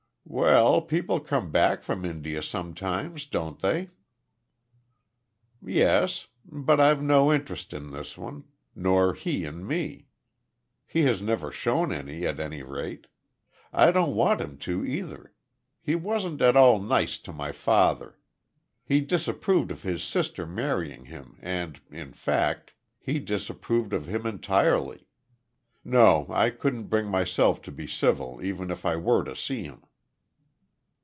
"Well, people come back from India sometimes, don't they?" "Yes. But I've no interest in this one, nor he in me. He has never shown any at any rate. I don't want him to either. He wasn't at all nice to my father. He disapproved of his sister marrying him, and, in fact, he disapproved of him entirely. No. I couldn't bring myself to be civil even if I were to see him."